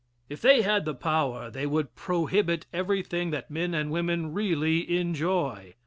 If they had the power, they would prohibit everything that men and women really enjoy.